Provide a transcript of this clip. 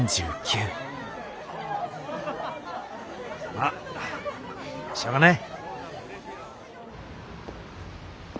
まっしょうがない。